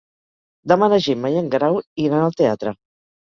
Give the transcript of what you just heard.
Demà na Gemma i en Guerau iran al teatre.